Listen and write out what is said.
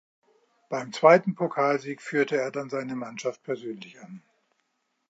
Beim zweiten Pokalsieg führte er dann seine Mannschaft persönlich an.